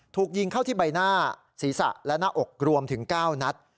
ถูกยิงเข้าที่ใบหน้าศีรษะและหน้าอกรวมถึง๙นัด